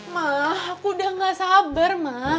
ma aku udah gak sabar ma